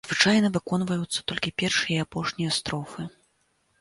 Звычайна выконваюцца толькі першая і апошняя строфы.